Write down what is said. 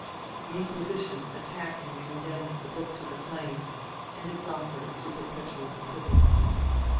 The Inquisition attacked and condemned the book to the flames, and its author to perpetual imprisonment.